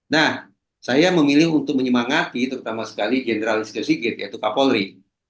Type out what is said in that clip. nah saya memilih untuk menyemangati terutama sekali generalis josiget yaitu kapolri